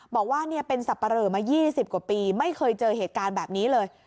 บอกว่าเป็นสับปะเหลอมา๒๐กว่าปีไม่เคยเจอเหตุการณ์แบบนี้เลย